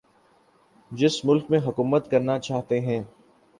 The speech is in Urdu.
جس ملک میں حکومت کرنا چاہتے ہیں